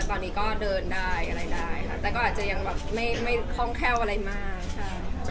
ตอนนี้ก็เดินได้อะไรได้ค่ะแต่ก็อาจจะยังแบบไม่ไม่คล่องแคล่วอะไรมากใช่